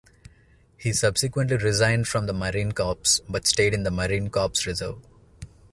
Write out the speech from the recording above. He subsequently resigned from the Marine Corps, but stayed in the Marine Corps Reserve.